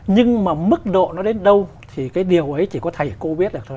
nhưng mà mức độ nó đến đâu thì cái điều ấy chỉ có thầy cô biết được thôi